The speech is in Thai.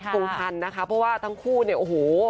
คงทันนะคะเพราะว่าทั้งคู่เนี่ยโอ้โห